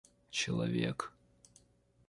человек